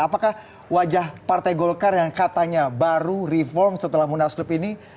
apakah wajah partai golkar yang katanya baru reform setelah munaslup ini